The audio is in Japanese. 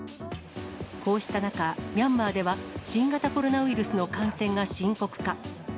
こうした中、ミャンマーでは新型コロナウイルスの感染が深刻化。